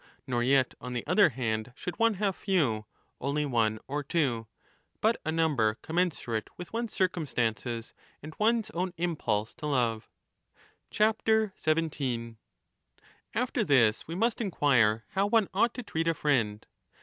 Nor yet, on the other hand, should one have few, only one or two, but a number commensurate with one's circumstances and one's own impulse to love. 17 After this we must inquire how one ought to treat a friend.